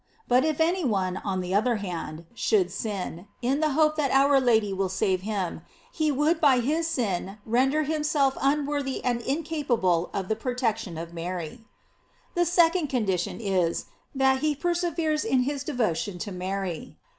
But if any one, on the other haffld, should sin, in the hope that our Lady will save him, he would by his sin render himself unworthy and incapable of the protection of Mary. The second condition is, that he per severes in his devotion to Mary.